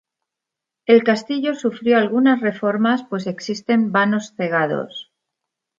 El castillo sufrió algunas reformas pues existen vanos cegados.